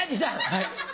はい。